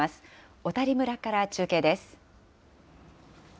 小谷村から中継です。